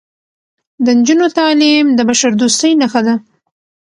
د نجونو تعلیم د بشردوستۍ نښه ده.